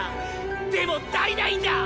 でも足りないんだ！